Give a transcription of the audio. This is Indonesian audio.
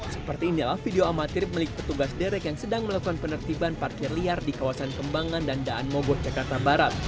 seperti inilah video amatir milik petugas derek yang sedang melakukan penertiban parkir liar di kawasan kembangan dan daan mogo jakarta barat